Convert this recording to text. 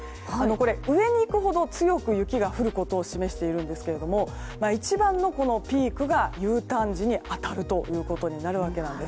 上に行くほど強く雪が降ることを示しているんですけれども一番のピークがＵターン時に当たることになるわけなんです。